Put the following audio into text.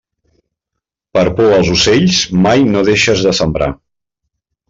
Per por als ocells, mai no deixes de sembrar.